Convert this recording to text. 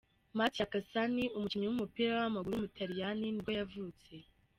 Mattia Cassani, umukinnyi w’umupira w’amaguru w’umutaliyani nibwo yavutse.